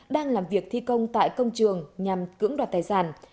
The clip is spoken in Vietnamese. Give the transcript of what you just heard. đang làm việc thi công tại công trường nhằm cưỡng đoạt tài sản